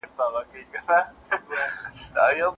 چي هر څومره یې خوړلای سوای د ده وه